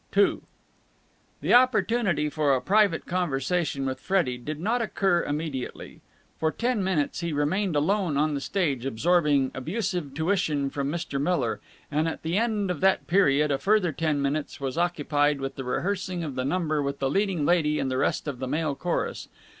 II The opportunity for a private conversation with Freddie did not occur immediately. For ten minutes he remained alone on the stage, absorbing abusive tuition from Mr. Miller: and at the end of that period a further ten minutes was occupied with the rehearsing of the number with the leading lady and the rest of the male chorus.